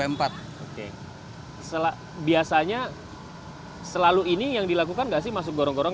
oke biasanya selalu ini yang dilakukan nggak sih masuk gorong gorong